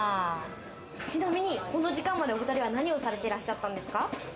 ちなみにこの時間までお２人は何をされてらっしゃったんですか？